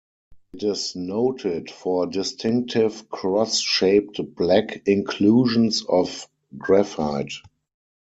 It is noted for distinctive cross-shaped black inclusions of graphite.